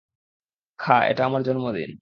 খা, এটা আমার জন্মদিন।